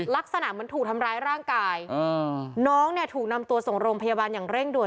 ลักษณะเหมือนถูกทำร้ายร่างกายน้องเนี่ยถูกนำตัวส่งโรงพยาบาลอย่างเร่งด่ว